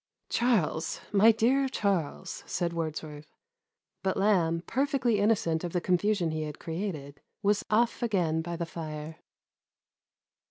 '*•' Charles, my dear Charles," said Wordsworth ; but Lamb, perfectly innocent of the confusion he had created, was off again by the fire.